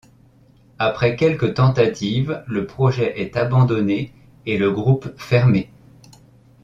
Après quelques tentatives le projet est abandonné et le groupe fermé.